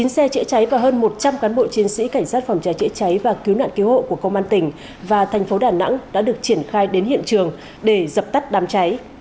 một mươi xe chữa cháy và hơn một trăm linh cán bộ chiến sĩ cảnh sát phòng cháy chữa cháy và cứu nạn cứu hộ của công an tỉnh và thành phố đà nẵng đã được triển khai đến hiện trường để dập tắt đám cháy